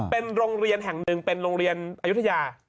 เป็นโรงเรียนแห่งหนึ่งเป็นโรงเรียนอายุทยา